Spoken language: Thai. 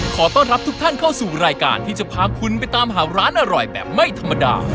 ขอต้อนรับทุกท่านเข้าสู่รายการที่จะพาคุณไปตามหาร้านอร่อยแบบไม่ธรรมดา